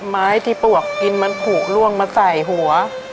ไม้ที่ปลวกกินมันผูกล่วงมาใส่หัว